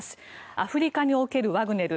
アフリカにおけるワグネル。